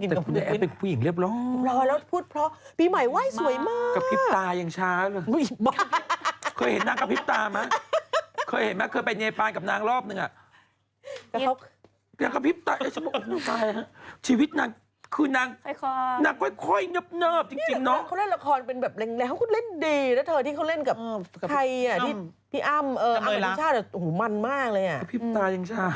คือเหมือนเมื่อยแล้วมีความเหมือนใหญ่